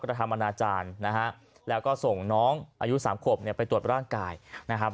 ทำอนาจารย์นะฮะแล้วก็ส่งน้องอายุ๓ขวบเนี่ยไปตรวจร่างกายนะครับ